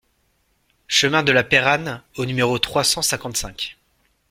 Chemin de la Peyranne au numéro trois cent cinquante-cinq